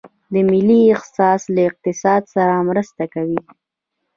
د ملي احساس له اقتصاد سره مرسته کوي؟